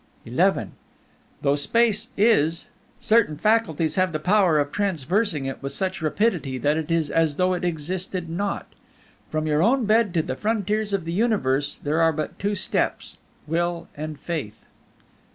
XI Though Space is, certain faculties have the power of traversing it with such rapidity that it is as though it existed not. From your own bed to the frontiers of the universe there are but two steps: Will and Faith.